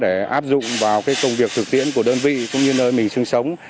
để áp dụng vào công việc thực tiễn của đơn vị cũng như nơi mình sinh sống